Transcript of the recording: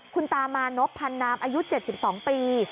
คุณตามานกพันธุ์น้ำอายุ๗๒ปี